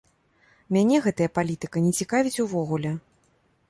Мяне гэтая палітыка не цікавіць увогуле!